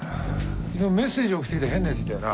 昨日メッセージ送ってきた変なやついたよな？